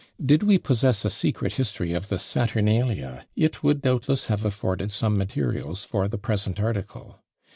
Did we possess a secret history of the Saturnalia, it would doubtless have afforded some materials for the present article.